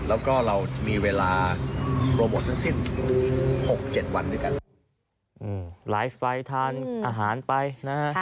แล้วก็เรามีเวลาโปรโมททั้งสิ้นหกเจ็ดวันด้วยกันไลฟ์ไฟล์ทานอาหารไปนะฮะ